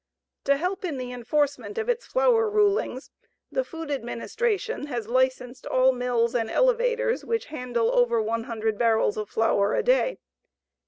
To help in the enforcement of its flour rulings, the Food Administration has licensed all mills and elevators which handle over 100 barrels of flour a day.